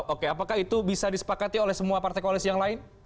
oke apakah itu bisa disepakati oleh semua partai koalisi yang lain